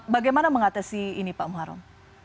bagaimana mengatasi ini pak muharrem